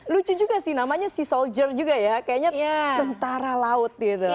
lucu juga sih namanya sea soldier juga ya kayaknya tentara laut gitu